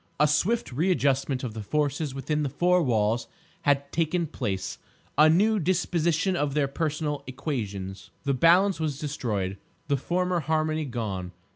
A swift readjustment of the forces within the four walls had taken place—a new disposition of their personal equations. The balance was destroyed, the former harmony gone.